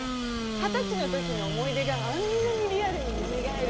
２０歳のときの思い出が、あんなにリアルによみがえる。